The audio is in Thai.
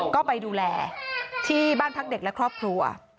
ก็ไปดูแลที่บ้านพักเด็กและครอบครัว